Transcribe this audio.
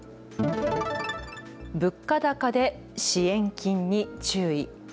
物価高で支援金に注意。